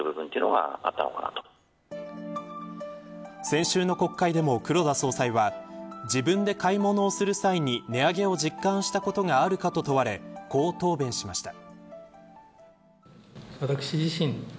先週の国会でも黒田総裁は自分で買い物をする際に値上げを実感したことがあるかと問われこう答弁しました。